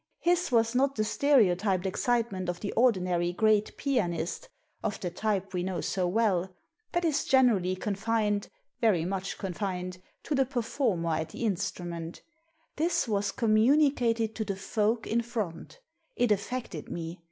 His was not the stereotyped excitement of the ordinary great pianist — of the type we know so well That is generally coniSned — ^very much con fined — to the performer at the instrument This was communicated to the folk in front It affected me.